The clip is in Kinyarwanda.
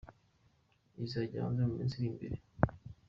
Izajya hanze mu minsi iri imbere.